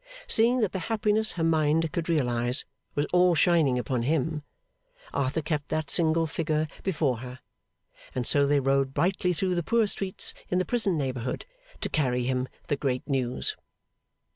Seeing that the happiness her mind could realise was all shining upon him, Arthur kept that single figure before her; and so they rode brightly through the poor streets in the prison neighbourhood to carry him the great news.